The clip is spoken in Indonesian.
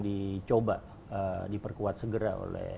dicoba diperkuat segera